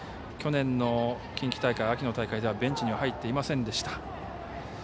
去年の近畿大会、秋の大会ではベンチに入っていませんでした。